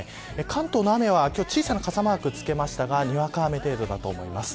関東の雨は今日は小さな傘マークをつけましたがにわか雨程度だと思います。